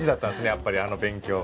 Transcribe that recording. やっぱりあの勉強が。